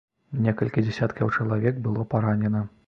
Некалькі дзесяткаў чалавек было паранена.